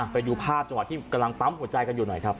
ไปดูภาพจังหวะที่กำลังปั๊มหัวใจกันอยู่หน่อยครับ